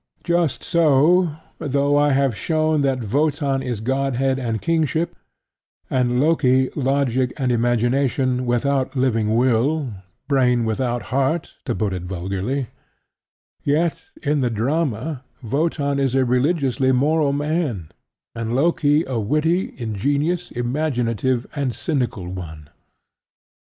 Just so, though I have shown that Wotan is Godhead and Kingship, and Loki Logic and Imagination without living Will (Brain without Heart, to put it vulgarly); yet in the drama Wotan is a religiously moral man, and Loki a witty, ingenious, imaginative and cynical one.